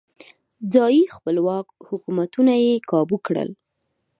ځايي خپلواک حکومتونه یې کابو کړل.